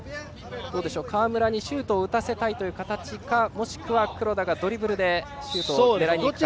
川村にシュートを打たせたい形かもしくは黒田がドリブルでシュートを狙いにいくか。